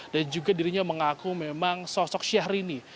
dan juga dirinya mengaku memang sosok syahrini